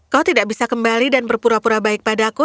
kau tidak bisa kembali dan berpura pura baik padaku